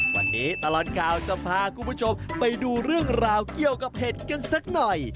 วันนี้ตลอดข่าวจะพาคุณผู้ชมไปดูเรื่องราวเกี่ยวกับเห็ดกันสักหน่อย